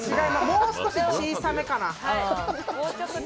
もう少し小さめかな。